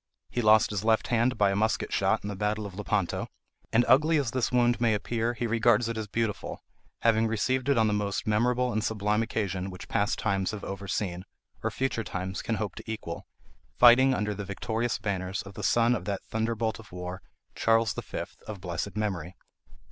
He lost his left hand by a musket shot in the battle of Lepanto: and ugly as this wound may appear, he regards it as beautiful, having received it on the most memorable and sublime occasion which past times have over seen, or future times can hope to equal, fighting under the victorious banners of the son of that thunderbolt of war, Charles V., of blessed memory."